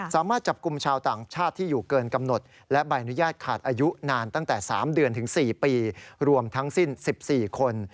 สามารถจับกลุ่มชาวต่างชาติที่อยู่เกินกำหนดและใบอนุญาตขาดอายุนานตั้งแต่๓เดือนถึง๔ปีรวมทั้งสิ้น๑๔คน